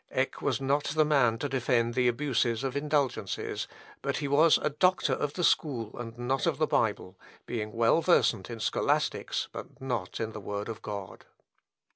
Eck was not the man to defend the abuses of indulgences, but he was a doctor of the school, and not of the Bible, being well versant in scholastics, but not in the word of God.